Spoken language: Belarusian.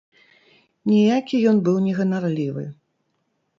Ніякі ён быў не ганарлівы.